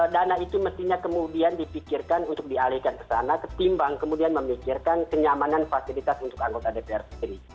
dana itu mestinya kemudian dipikirkan untuk dialihkan ke sana ketimbang kemudian memikirkan kenyamanan fasilitas untuk anggota dpr sendiri